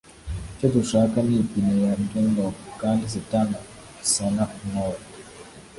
Icyo dushaka ni ipine ya Dunlop kandi satani asana umwobo.